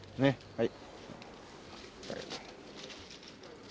はい。